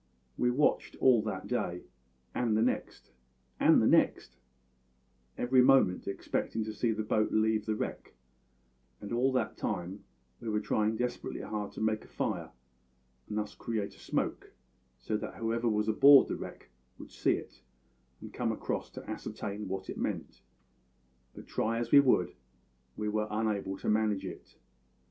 We watched all that day, and the next, and the next, every moment expecting to see the boat leave the wreck; and all that time we were trying desperately hard to make a fire and thus create a smoke, so that whoever was aboard the wreck would see it, and come across to ascertain what it meant; but, try as we would, we were unable to manage it.